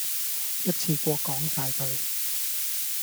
一次過講曬佢